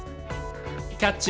「『キャッチ！